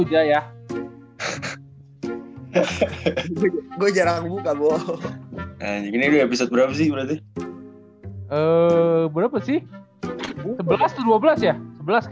udah ya gue jarang muka boho episode berarti berapa sih sebelas dua belas ya sebelas kayaknya belas belas ya